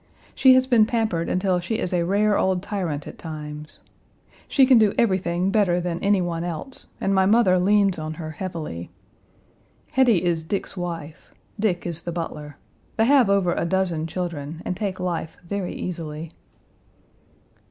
She has been pampered until she is a rare old tyrant at times. She can do everything better than any one else, and my mother leans on her heavily. Hetty is Dick's wife; Dick is the butler. They have over a dozen children and take life very easily.